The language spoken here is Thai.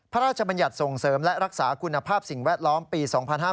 บรรยัติส่งเสริมและรักษาคุณภาพสิ่งแวดล้อมปี๒๕๕๙